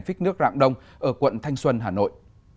phích nước rạng đông ở quận thanh xuân hà nội